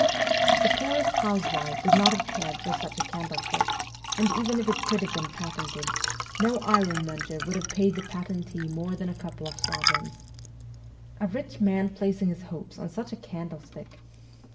The poorest housewife would not have cared for such a candlestick, and even if it could have been patented, no ironmonger would have paid the patentee more than a couple of sovereigns. ' A rich man placing his hopes on such a candlestick